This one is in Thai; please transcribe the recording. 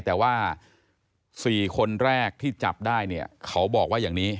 แต่ว่า๔คนแรกที่จับได้เนี่ยเขาบอกว่าอย่างนี้